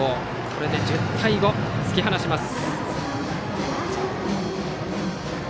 これで１０対５と突き放します。